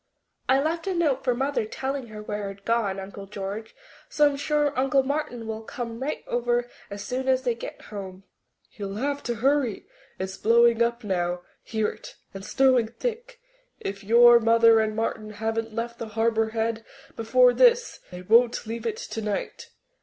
"I left a note for Mother telling her where I'd gone, Uncle George, so I'm sure Uncle Martin will come right over as soon as they get home." "He'll have to hurry. It's blowing up now ... hear it ... and snowing thick. If your mother and Martin haven't left the Harbour Head before this, they won't leave it tonight.